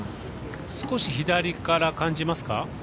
少し左から感じますか？